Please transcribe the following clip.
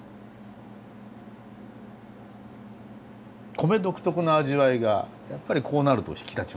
米独特の味わいがやっぱりこうなると引き立ちますよね。